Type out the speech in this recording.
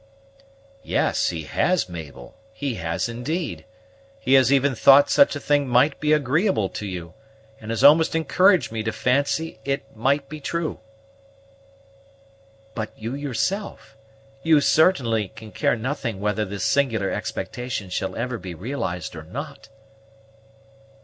"Yes, he has, Mabel, he has, indeed. He has even thought such a thing might be agreeable to you, and has almost encouraged me to fancy it might be true." "But you yourself, you certainly can care nothing whether this singular expectation shall ever be realized or not?"